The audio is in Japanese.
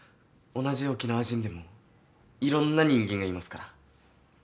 同じ沖縄人でもいろんな人間がいますから。